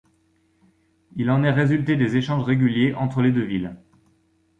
Il en est résulté des échanges réguliers entre les deux villes.